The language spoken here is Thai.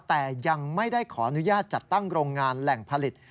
แต่ยังไม่ได้ขออนุญาตจัดตั้งโรงงานแหล่งผลิต